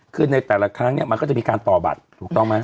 คือในแต่ละครั้งเนี่ยมันก็จะมีการต่อบัตรถูกต้องไหม